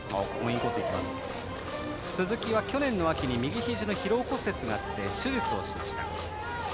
鈴木は去年の秋に右ひじの疲労骨折があって手術をしました。